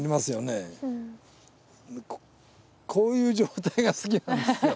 こういう状態が好きなんですよね。